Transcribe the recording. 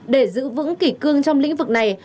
để giữ vững kỷ cương trong lĩnh vực này